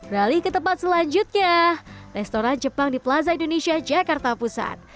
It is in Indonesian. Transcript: rally ke tempat selanjutnya restoran jepang di plaza indonesia jakarta pusat